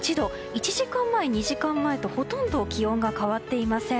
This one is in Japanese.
１時間前、２時間前とほとんど気温が変わっていません。